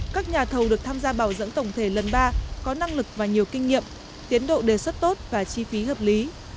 các nhà thầu được tham gia bảo dưỡng tổng thể lần ba có năng lực và nhiều kinh nghiệm tiến độ đề xuất tốt và chi phí hợp lý